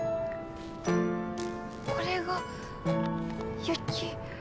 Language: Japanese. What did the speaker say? これが雪。